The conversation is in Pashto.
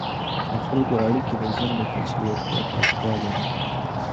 د خلګو اړیکي د ژوند د کچي لوړتیا ته اړتیا لري.